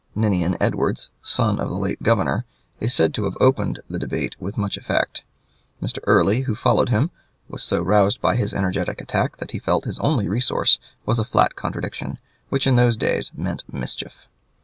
Ninian Edwards, son of the late Governor, is said to have opened the debate with much effect. Mr. Early, who followed him, was so roused by his energetic attack that he felt his only resource was a flat contradiction, which in those days meant mischief.